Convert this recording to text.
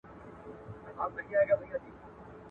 نړیوال سوداګریز قوانین د شفافیت لپاره دي.